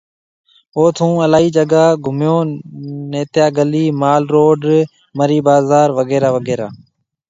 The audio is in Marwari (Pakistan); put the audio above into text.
اوٿ هون الاهي جگه گھميو، نٿيا گلي، مال روڊ، مري بازار وغيره وغيره